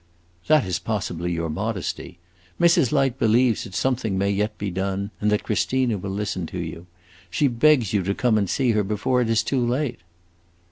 "That is possibly your modesty. Mrs. Light believes that something may yet be done, and that Christina will listen to you. She begs you to come and see her before it is too late."